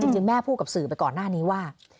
จริงแม่พูดกับสื่อไปก่อนหน้านี้ว่า